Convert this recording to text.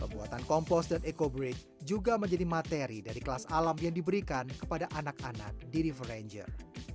pembuatan kompos dan ecobrake juga menjadi materi dari kelas alam yang diberikan kepada anak anak di river ranger